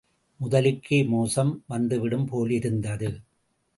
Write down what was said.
முதலுக்கே மோசம் வந்துவிடும் போலிருந்தது.